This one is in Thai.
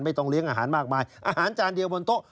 ต้องเลี้ยงอาหารมากมายอาหารจานเดียวบนโต๊ะ